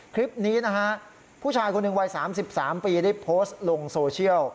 คลิปนี้นะฮะผู้ชายคนหนึ่งวัย๓๓ปีได้โพสต์ลงโซเชียล